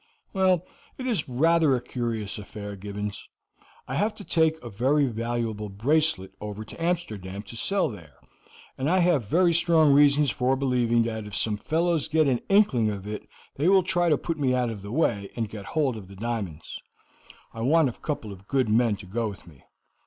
"Well, it is rather a curious affair, Gibbons. I have to take a very valuable bracelet over to Amsterdam, to sell there, and I have very strong reasons for believing that if some fellows get an inkling of it they will try to put me out of the way, and get hold of the diamonds. I want a couple of good men to go with me."